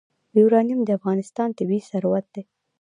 یورانیم د افغانستان طبعي ثروت دی.